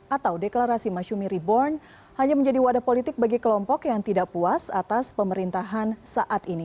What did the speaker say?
atau deklarasi masyumi reborn hanya menjadi wadah politik bagi kelompok yang tidak puas atas pemerintahan saat ini